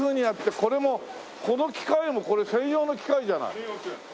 これもこの機械もこれ専用の機械じゃない。